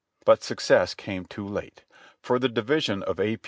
But success came too late; for the division of A.